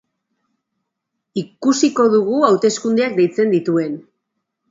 Ikusiko dugu hauteskundeak deitzen dituen.